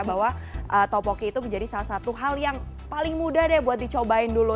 bahwa topoki itu menjadi salah satu hal yang paling mudah deh buat dicobain dulu